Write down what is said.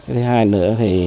thứ hai nữa thì